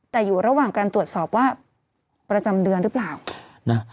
แต่อยู่ระหว่างการตรวจสอบว่าประจำเดือนหรือเปล่านะ